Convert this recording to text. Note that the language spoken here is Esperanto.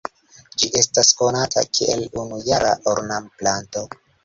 Ĝi estas konata kiel unujara ornamplanto.